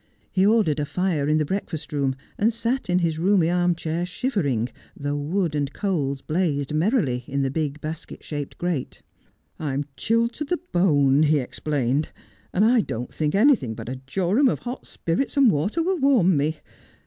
He ordered a fire in the breakfast room, and sat in his roomy armchair shivering, though wood and coals blazed merrily in the big basket shaped grate. ' I'm chilled to the bone,' he explained, ' and I don't think anything but a jorum of hot spirits and water will warm me.